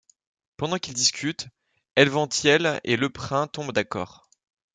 Pendant qu'ils discutent, Elvanthyell et Leprin tombent d'accord.